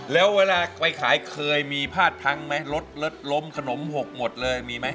แล้วเวลาไปขายเคยมีพลาดพังไหมรถรถล้มขนมหกหมดเลยมีไหม